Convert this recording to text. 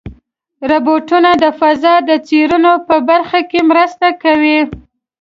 روبوټونه د فضا د څېړنو په برخه کې مرسته کوي.